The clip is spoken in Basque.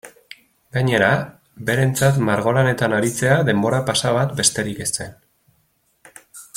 Gainera, berentzat margolanetan aritzea denbora-pasa bat besterik ez zen.